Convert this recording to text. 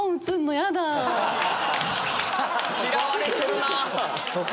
嫌われてるなぁ。